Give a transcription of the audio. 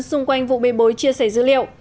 xung quanh vụ bề bối chia sẻ dữ liệu